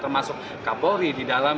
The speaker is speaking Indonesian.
termasuk kapolri di dalam